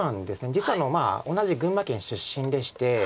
実は同じ群馬県出身でして。